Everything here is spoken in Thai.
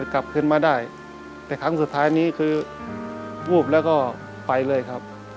กลับขึ้นมาได้แต่ครั้งสุดท้ายนี้คือวูบแล้วก็ไปเลยครับ